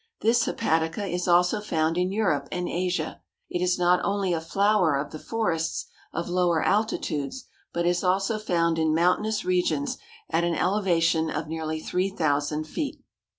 This Hepatica is also found in Europe and Asia. It is not only a flower of the forests of lower altitudes, but is also found in mountainous regions at an elevation of nearly three thousand feet.